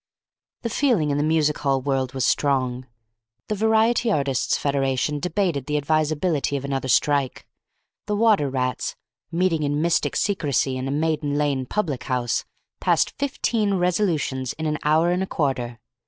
The feeling in the music hall world was strong. The Variety Artists' Federation debated the advisability of another strike. The Water Rats, meeting in mystic secrecy in a Maiden Lane public house, passed fifteen resolutions in an hour and a quarter.